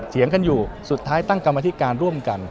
เถียงกันอยู่สุดท้ายตั้งกรรมธิการร่วมกัน